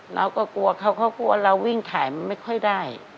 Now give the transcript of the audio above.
เราก็กลัวเขาเขากลัวเราวิ่งขายมันไม่ค่อยได้